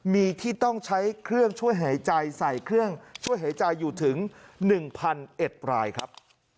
มีที่ต้องใช้เครื่องช่วยหายใจใส่เครื่องช่วยหายใจอยู่ถึง๑๑รายครับ